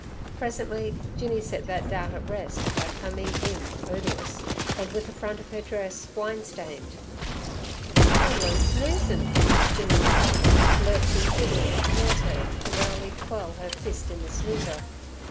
Presently Jinny set that doubt at rest by coming in odorous, and with the front of her dress wine stained. "Little 'un snoozin'!" Jinny remarked, lurching giddily towards her to merrily twirl her fist in the snoozer.